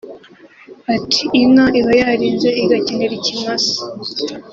Ati “Inka iba yarinze igakenera ikimasa